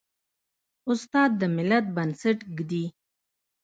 استاد د ملت بنسټ ږدي.